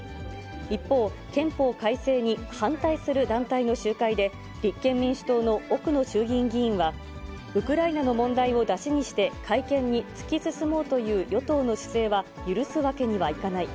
一方、憲法改正に反対する団体の集会で、立憲民主党の奥野衆議院議員は、ウクライナの問題をだしにして、会見に突き進もうという与党の姿勢は許すわけにはいかない。